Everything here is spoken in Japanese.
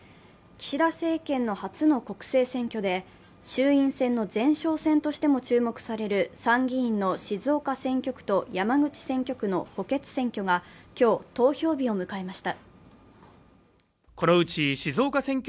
岸田政権の初の国政選挙で衆院選の前哨戦としても注目される参議院の静岡選挙区と山口選挙区の補欠選挙が今日、投票日を迎えました。